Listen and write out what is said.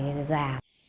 trời ơi là già